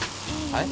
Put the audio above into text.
はい？